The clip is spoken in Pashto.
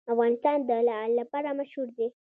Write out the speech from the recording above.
افغانستان د لعل لپاره مشهور دی.